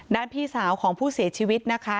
พี่สาวของผู้เสียชีวิตนะคะ